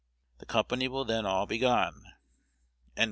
The company will then all be gone."